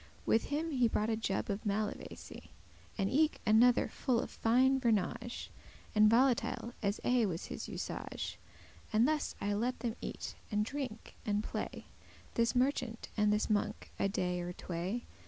With him he brought a jub* of malvesie, *jug And eke another full of fine vernage, <6> And volatile,* as aye was his usage: *wild fowl And thus I let them eat, and drink, and play, This merchant and this monk, a day or tway.